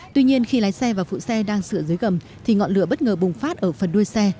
tuy nhiên khi lái xe và phụ xe đang sửa dưới gầm thì ngọn lửa bất ngờ bùng phát ở phần đuôi xe